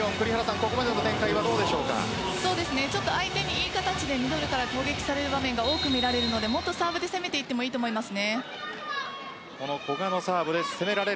ここまでの展開はちょっと相手にいい形でミドルから攻撃される場面が多く見られるのでもっとサーブで攻めていってもいいと思います。